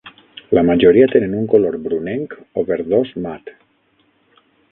La majoria tenen un color brunenc o verdós mat.